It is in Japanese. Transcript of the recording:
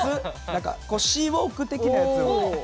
シーウォーク的なやつ。